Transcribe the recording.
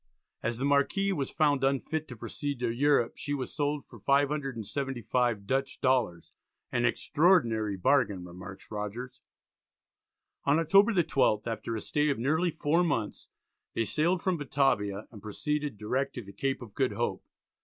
As the Marquis was found unfit to proceed to Europe, she was sold for 575 Dutch dollars, "an extraordinary bargain," remarks Rogers. On October the 12th, after a stay of nearly four months, they sailed from Batavia and proceeded direct to the Cape of Good Hope.